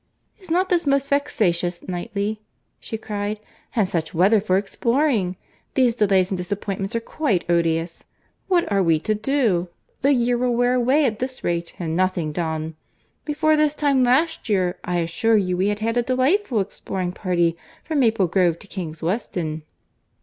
"Is not this most vexatious, Knightley?" she cried.—"And such weather for exploring!—These delays and disappointments are quite odious. What are we to do?—The year will wear away at this rate, and nothing done. Before this time last year I assure you we had had a delightful exploring party from Maple Grove to Kings Weston."